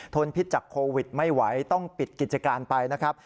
พิษจากโควิดไม่ไหวต้องปิดกิจการไปนะครับ